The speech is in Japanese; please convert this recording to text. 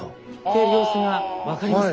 様子がわかりますか？